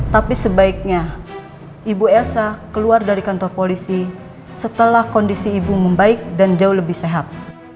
tapi sebaiknya ibu elsa keluar dari kantor polisi setelah kondisi ibu membaik dan jauh lebih sehat